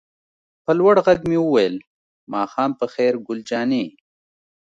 په لوړ غږ مې وویل: ماښام په خیر ګل جانې.